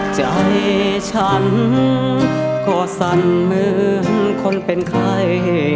ใจฉันก็สั่นเหมือนคนเป็นใคร